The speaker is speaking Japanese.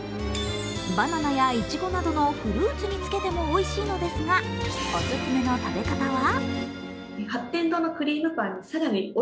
バナナやいちごなどのフルーツにつけてもおいしいのですがオススメの食べ方は？